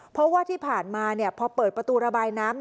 เพราะว่าที่ผ่านมาพอเปิดประตูระบายน้ำ